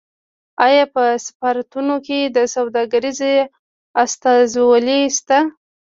آیا په سفارتونو کې سوداګریزې استازولۍ شته؟